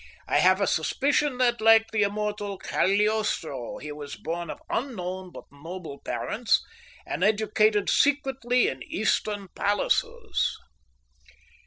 I have a suspicion that, like the immortal Cagliostro, he was born of unknown but noble parents, and educated secretly in Eastern palaces."